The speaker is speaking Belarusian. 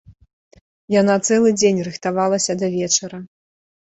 Яна цэлы дзень рыхтавалася да вечара.